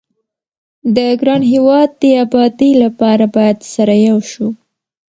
د ګران هيواد دي ابادي لپاره بايد سره يو شو